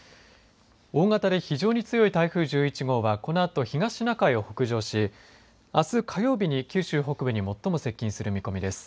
大型で非常に強い台風１１号はこのあと、東シナ海を北上しあす火曜日に九州北部に最も接近する見込みです。